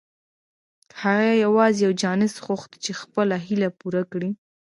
هغه يوازې يو چانس غوښت چې خپله هيله پوره کړي.